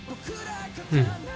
うん。